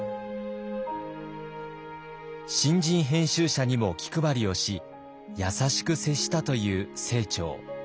新人編集者にも気配りをし優しく接したという清張。